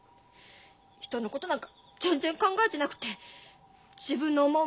人のことなんか全然考えてなくて自分の思う